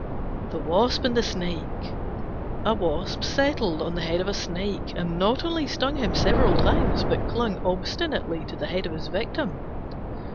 THE WASP AND THE SNAKE A Wasp settled on the head of a Snake, and not only stung him several times, but clung obstinately to the head of his victim.